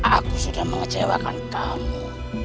aku sudah mengecewakan kamu